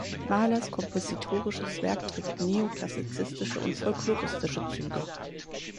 Malers kompositorisches Werk trägt neoklassizistische und folkloristische Züge.